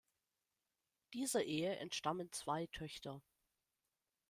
Dieser Ehe entstammen zwei Töchter.